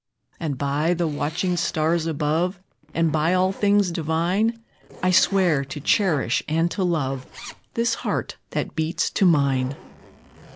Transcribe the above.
And, by the watching stars above, And by all things divine, I swear to cherish and to love This heart that beats to mine!"